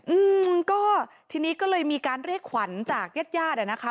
อืมก็ทีนี้ก็เลยมีการเรียกขวัญจากญาติญาติอ่ะนะคะ